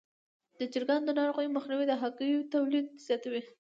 د چرګانو د ناروغیو مخنیوی د هګیو تولید زیاتوي.